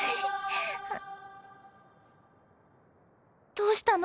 どうしたの？